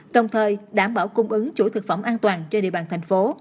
đồng thời đảm bảo cung ứng chuỗi thực phẩm an toàn trên địa bàn thành phố